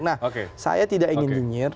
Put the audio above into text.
nah saya tidak ingin nyinyir